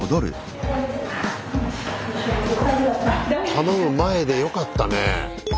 頼む前でよかったね。